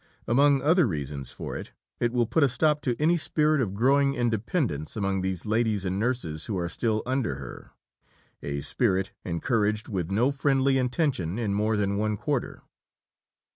Among other reasons for it, it will put a stop to any spirit of growing independence among these ladies and nurses who are still under her, a spirit encouraged with no friendly intention in more than one quarter."